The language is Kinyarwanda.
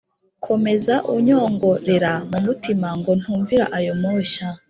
Komeza unyongorera mu mutima ngo ntumvira ayo moshya